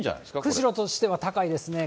釧路としては高いですね。